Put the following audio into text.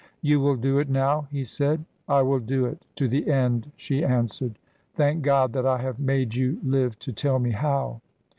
"You will do it now," he said. "I will do it to the end," she answered. "Thank God that I have made you live to tell me how."